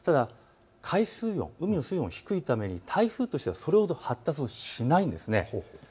海水温、海の水温が低いために台風としてはそれほど発達しないんですね。